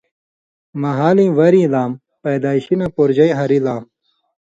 مھالیں وریۡیں لام، پیدائشی نہ پورژَیں ہاریۡ لام